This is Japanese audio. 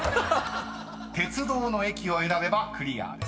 ［鉄道の駅を選べばクリアです。